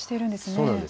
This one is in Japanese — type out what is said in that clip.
そうなんです。